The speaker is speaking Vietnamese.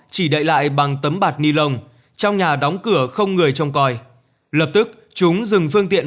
chỉ đậy lại bằng tấm bạc nilon trong nhà đóng cửa không người trông coi lập tức chúng dừng phương tiện